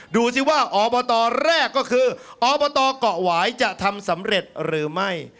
ดูสิว่าอบตแรกก็คืออบตเกาะหวายจะทำสำเร็จหรือไม่